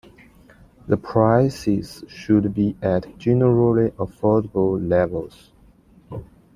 The prices should be at generally affordable levels.